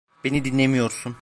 Beni dinlemiyorsun.